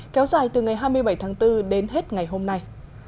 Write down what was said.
kéo dài từ ngày hai mươi bảy tháng bốn đến hết ngày hôm nay